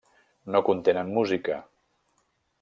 No contenen música.